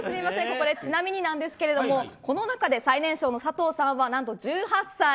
ここでちなみになんですけどこの中で最年少の佐藤さんはなんと１８歳。